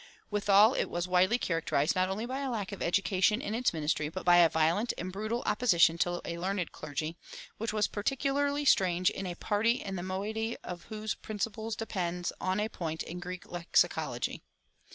Withal it was widely characterized not only by a lack of education in its ministry, but by a violent and brutal opposition to a learned clergy, which was particularly strange in a party the moiety of whose principles depends on a point in Greek lexicology.